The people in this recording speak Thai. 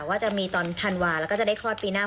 ว่าจะมีตอนธันวาแล้วก็จะได้คลอดปีหน้า